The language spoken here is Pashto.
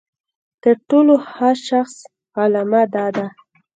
د تر ټولو ښه شخص علامه دا ده.